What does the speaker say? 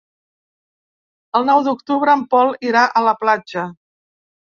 El nou d'octubre en Pol irà a la platja.